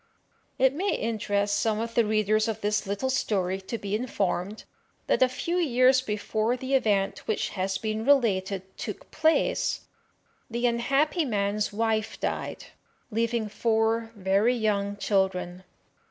It may interest some of the readers of this little story to be informed, that a few years before the event which has been related took place, the unhappy man's wife died, leaving four very young children.